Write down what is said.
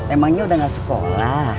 emangnya udah gak sekolah